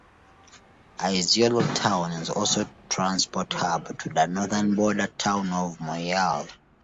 Isiolo town is also transport hub to the northern border town of moyale.